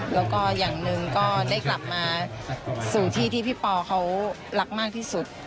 แล้วก็อย่างหนึ่งก็ได้กลับมาสู่ที่ที่พี่ปอเขารักมากที่สุด